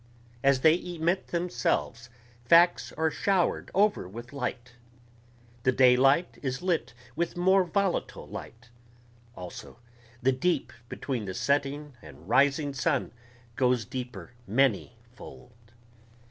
As they emit themselves facts are showered over with light ... the daylight is lit with more volatile light ... also the deep between the setting and rising sun goes deeper many fold.